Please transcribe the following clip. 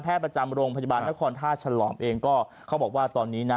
ประจำโรงพยาบาลนครท่าฉลอมเองก็เขาบอกว่าตอนนี้นะ